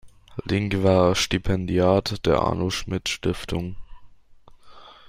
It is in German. Link war Stipendiat der Arno-Schmidt-Stiftung.